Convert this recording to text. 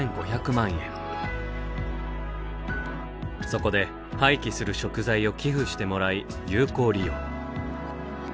そこで廃棄する食材を寄付してもらい有効利用。